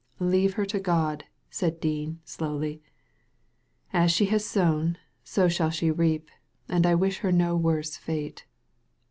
" Leave her to God," said Dean, slowly. *• As she has sown, so shall she reap, and I wish her no worse fate.